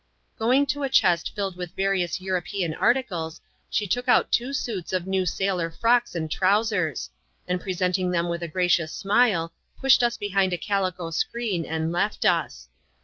Going to a chest filled with various European articles, she took out two suits of new sailor frocks and trowsers ; and pre senting them with a gracious smile, pushed us behind a calico screen, and left us.